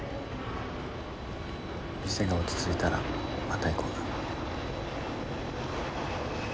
店が落ち着いたらまた行こうな。